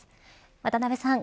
渡辺さん